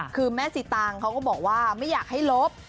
คือแม่สีตางเขาก็บอกว่าไม่อยากให้ลบ